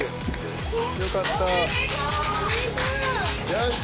よし！